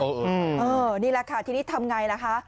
เออนี่แหละค่ะที่นี่ทำอย่างไรล่ะคะ